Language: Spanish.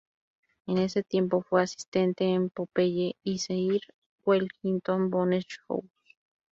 En ese tiempo fue asistente en Popeye y "Sir Wellington Bones Show".